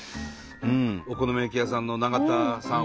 お好み焼き屋さんの永田さん